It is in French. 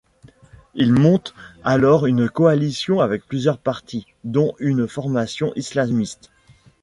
Il monte alors une coalition avec plusieurs partis, dont une formation islamiste.